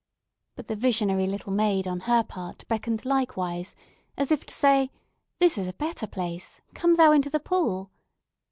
But the visionary little maid on her part, beckoned likewise, as if to say—"This is a better place; come thou into the pool."